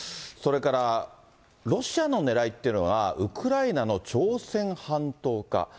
それから、ロシアのねらいっていうのは、ウクライナの朝鮮半島化。